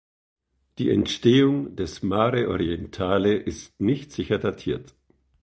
Die Entstehung des Mare Orientale ist nicht sicher datiert.